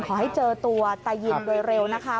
ขอให้เจอตัวตายินโดยเร็วนะคะ